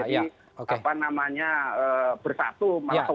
jadi apa namanya bersatu